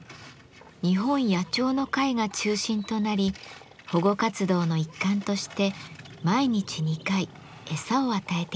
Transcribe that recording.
日本野鳥の会が中心となり保護活動の一環として毎日２回餌を与えています。